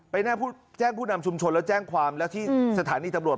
แจ้งผู้นำชุมชนแล้วแจ้งความแล้วที่สถานีตำรวจ